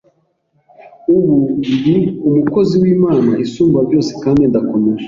ubu ndi umukozi w’Imana isumbabyose kandi ndakomeje